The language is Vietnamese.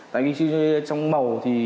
tại vì trong màu thì